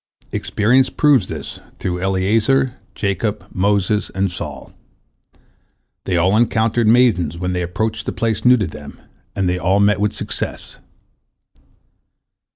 Experience proves this through Eliezer, Jacob, Moses, and Saul. They all encountered maidens when they approached a place new to them, and they all met with success.